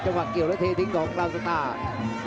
จะวางเกี่ยวแล้วเททิกของลาวสตาร์